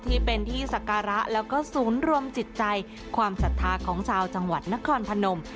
ที่เป็นที่ศักระแล้วก็ศูนย์รวมจิตใจความศรัทธาของชาวจังหวัดนครพนม